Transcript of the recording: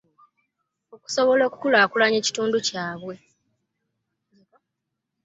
Okusobola okukulaakulanya ekitundu kyabwe.